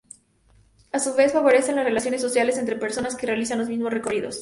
A su vez, favorece las relaciones sociales entre personas que realizan los mismos recorridos.